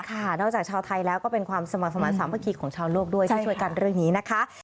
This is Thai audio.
นอกจากชาวไทยแล้วก็เป็นความสมัครสมาธิสามัคคีของชาวโลกด้วยที่ช่วยกันเรื่องนี้นะคะ